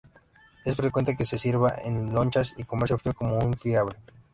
Es frecuente que se sirva en lonchas y comerse frío como un fiambre.